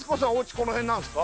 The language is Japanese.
この辺なんですか？